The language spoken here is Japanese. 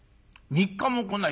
３日も来ない。